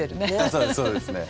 そうですそうですね。